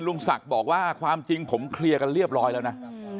ลุงศักดิ์บอกว่าความจริงผมเคลียร์กันเรียบร้อยแล้วนะ